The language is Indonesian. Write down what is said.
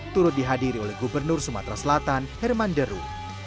turut dihadiri oleh gubernur sumatera selatan herman deru